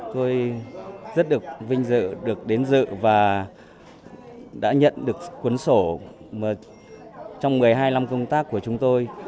tôi rất được vinh dự được đến dự và đã nhận được cuốn sổ trong một mươi hai năm công tác của chúng tôi